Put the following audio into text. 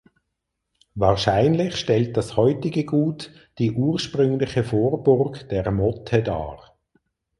Wahrscheinlich stellt das heutige Gut die ursprüngliche Vorburg der Motte dar.